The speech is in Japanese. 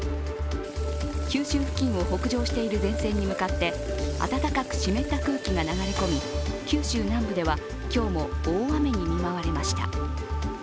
九州付近を北上している前線に向かって暖かく湿った空気が流れ込み、九州南部では今日も大雨に見舞われました。